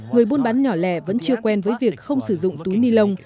người buôn bán nhỏ lẻ vẫn chưa quen với việc không sử dụng túi nilon